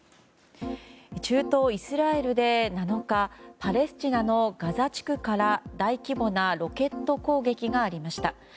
中東イスラエルで、７日パレスチナのガザ地区から大規模なロケット攻撃がありました。